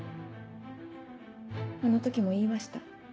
あの時も言いました。